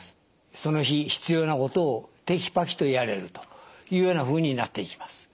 その日必要なことをテキパキとやれるというようなふうになっていきます。